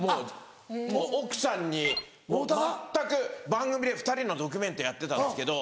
番組で２人のドキュメントやってたんですけど。